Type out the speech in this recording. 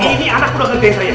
ini anakku yang gede